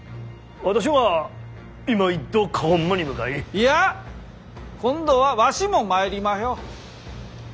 いや今度はわしも参りまひょ。